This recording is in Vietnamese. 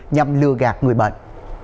nhằm lừa gạt người bệnh